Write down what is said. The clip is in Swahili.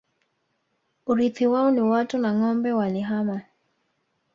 Urithi wao ni watu na ngâombe Walihamia